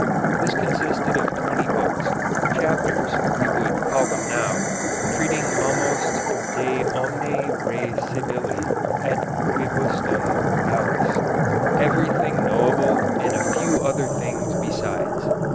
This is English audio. This consisted of twenty books chapters we would call them now treating almost de omni re scibili et quibusdam aliis (everything knowable and a few other things besides).